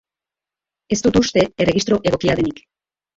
Ez dut uste erregistro egokia denik.